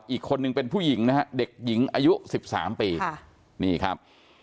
อีกคนนึงเป็นผู้หญิงนะฮะเด็กหญิงอายุ๑๓ปีนี่ครับ